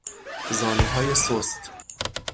زانوهای سست